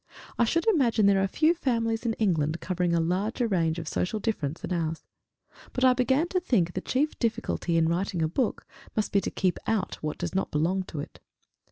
I should imagine there are few families in England covering a larger range of social difference than ours. But I begin to think the chief difficulty in writing a book must be to keep out what does not belong to it.